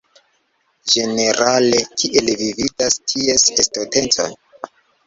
Ĝenerale kiel vi vidas ties estontecon?